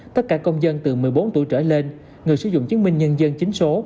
tất cả công dân từ một mươi bốn tuổi trở lên người sử dụng chứng minh nhân dân chính số